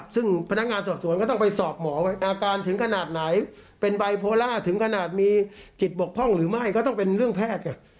ซึ่งพนักงานสอบสวนก็ต้องไปสอบหมอว่าอาการถึงขนาดไหนเป็นไบโพล่าถึงขนาดมีจิตบกพร่องหรือไม่ก็ต้องเป็นเรื่องแพทย์ไง